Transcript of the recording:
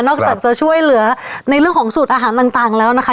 จากจะช่วยเหลือในเรื่องของสูตรอาหารต่างแล้วนะคะ